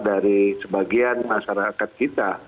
dari sebagian masyarakat kita